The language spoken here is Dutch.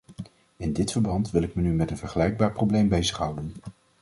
In dit verband wil ik me nu met een vergelijkbaar probleem bezighouden.